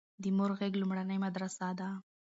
د مور غيږ لومړنۍ مدرسه ده